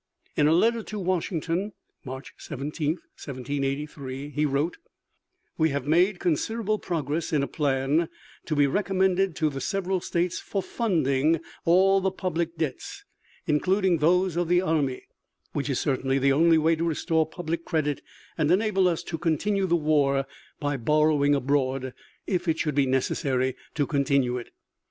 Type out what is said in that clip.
In a letter to Washington (March 17, 1783) he wrote: "We have made considerable progress in a plan to be recommended to the several states for funding all the public debts, including those of the army, which is certainly the only way to restore public credit and enable us to continue the war by borrowing abroad, if it should be necessary to continue it."